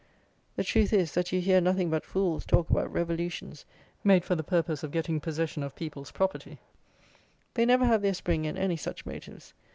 The truth is, that you hear nothing but fools talk about revolutions made for the purpose of getting possession of people's property. They never have their spring in any such motives.